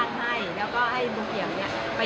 ลุงเอี่ยมปฏิเสธความช่วยเหลือหลายด้านเลยค่ะ